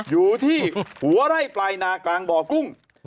อยู่ที่หัวไร่ปลายนากลางบ่อกุ้ง